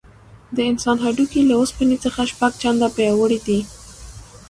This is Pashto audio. د انسان هډوکي له اوسپنې څخه شپږ چنده پیاوړي دي.